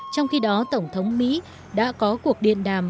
trong khi đó tổng thống mỹ đã có cuộc điện đàm